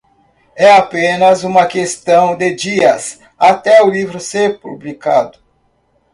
É apenas uma questão de dias até o livro ser publicado.